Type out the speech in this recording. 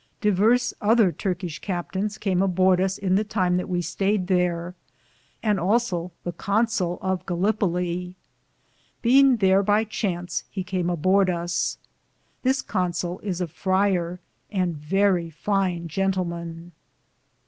Diverse other Turkishe captains came a borde us in the time that we stayed thare, and also the Consoll of Gal lippelo.^ Beinge thare by chance he came a borde us. This Consoll is a frier, and verrie fine Jentlman.